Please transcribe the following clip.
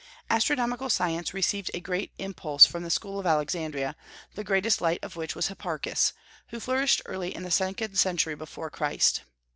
Astronomical science received a great impulse from the school of Alexandria, the greatest light of which was Hipparchus, who flourished early in the second century before Christ.